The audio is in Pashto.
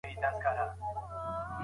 ناخوښي باید ښکاره نه سي.